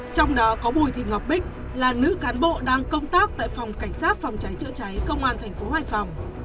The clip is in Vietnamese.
trong đó có bùi thị ngọc bích là nữ cán bộ đang công tác tại phòng cảnh sát phòng cháy trợ cháy công an tp hoài phòng